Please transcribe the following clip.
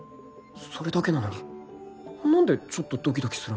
それだけなのに何でちょっとドキドキするんだ？